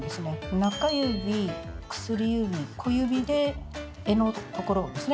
中指、薬指、小指で柄のところをですね